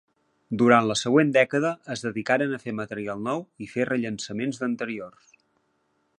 Durant la següent dècada es dedicaren a fer material nou i fer rellançaments d'anteriors.